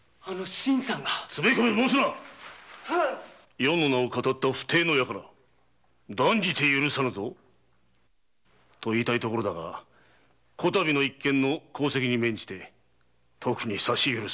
余の名をかたったフテイなやから断じて許さぬぞと言いたいとこだがこ度の一件の功績に免じ特にさし許す。